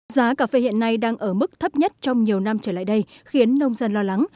giá cà phê hiện nay đang ở mức thấp nhất trong nhiều năm trở lại đây khiến nông dân lo lắng